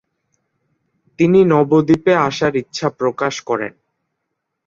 তিনি নবদ্বীপে আসার ইচ্ছা প্রকাশ করেন।